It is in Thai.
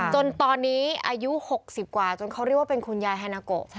จนตอนนี้อายุ๖๐กว่าจนเขาเรียกว่าเป็นคุณยายฮานาโก